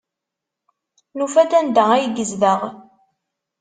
Nufa-d anda ay yezdeɣ.